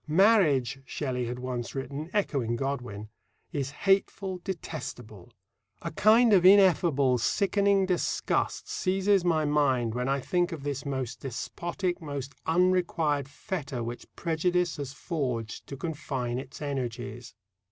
"Marriage," Shelley had once written, echoing Godwin, "is hateful, detestable. A kind of ineffable, sickening disgust seizes my mind when I think of this most despotic, most unrequired fetter which prejudice has forged to confine its energies."